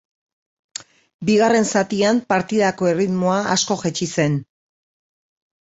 Bigarren zatian partidako erritmoa asko jeitsi zen.